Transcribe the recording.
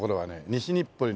西日暮里